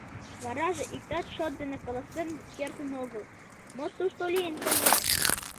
Вараже иктат шот дене каласен кертын огыл, мо тушто лийын каен?